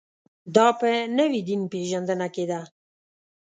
دا په نوې دین پېژندنه کې ده.